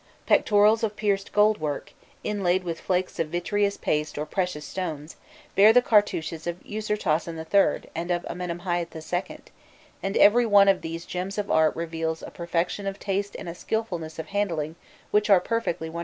Pectorals of pierced gold work, inlaid with flakes of vitreous paste or precious stones, bear the cartouches of Usirtasen III. and of Amenemhâît II., and every one of these gems of art reveals a perfection of taste and a skilfulness of handling which are perfectly wonderful.